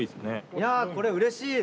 いやこれうれしい！